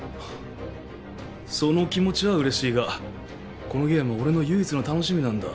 その気持ちはうれしいがこのゲームは俺の唯一の楽しみなんだ。